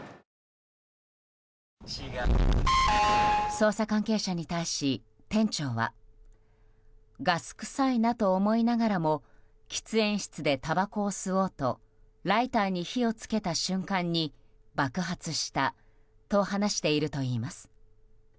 捜査関係者に対し、店長はガス臭いなと思いながらも喫煙室で、たばこを吸おうとライターに火を付けた瞬間に爆発したと話しているといいます。